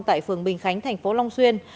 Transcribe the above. tại phường bình khánh tp long xuyên